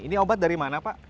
ini obat dari mana pak